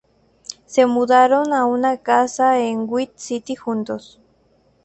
Se mudaron a una casa en White City juntos.